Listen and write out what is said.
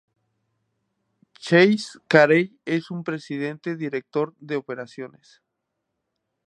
Chase Carey es su Presidente y Director de Operaciones.